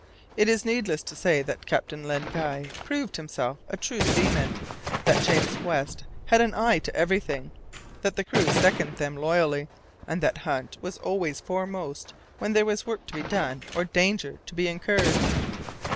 It is needless to say that Captain Len Guy proved himself a true seaman, that James West had an eye to everything, that the crew seconded them loyally, and that Hunt was always foremost when there was work to be done or danger to be incurred.